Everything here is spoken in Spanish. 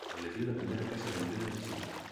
Estableció la primera Casa de Moneda de Chile.